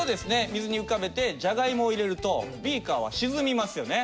水に浮かべてジャガイモを入れるとビーカーは沈みますよね？